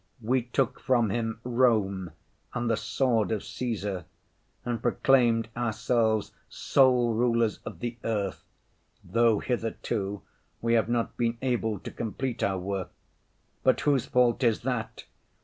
We took from him Rome and the sword of Cæsar, and proclaimed ourselves sole rulers of the earth, though hitherto we have not been able to complete our work. But whose fault is that?